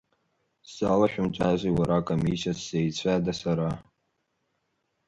Сзалашәымҵазеи, уара, акомиссиа, сзеицәада сара?